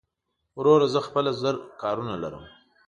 وروره زه خپله زر کارونه لرم